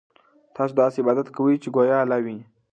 تاسو داسې عبادت کوئ چې ګویا الله وینئ.